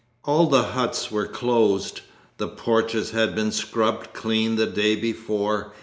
All the huts were closed; the porches had been scrubbed clean the day before.